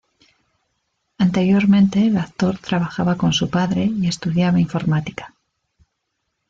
Anteriormente el actor trabajaba con su padre y estudiaba informática.